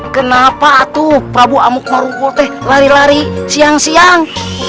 mengapa tuh prabu amuk marukuteh lari lari siang siang